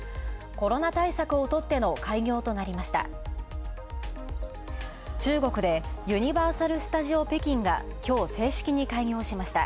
コロナ対策をとっての開業となりました。